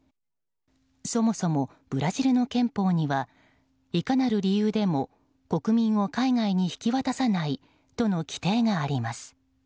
そもそも、ブラジルの憲法にはいかなる理由でも国民を海外に引き渡さないとの規定があります。